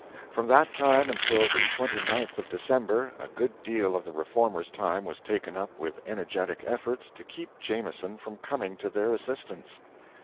From that time until the 29th of December, a good deal of the Reformers' time was taken up with energetic efforts to keep Jameson from coming to their assistance.